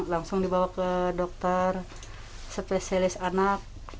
langsung dibawa ke dokter spesialis anak